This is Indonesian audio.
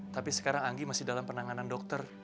tapi sekarang anggi masih dalam penanganan dokter